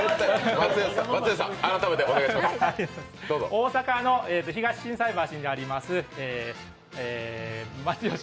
大阪の東心斎橋にありますマツヨシ